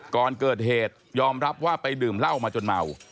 ก่อนเกิดเหตุยอมรับว่าไปดื่มเหล้ามาจนเมา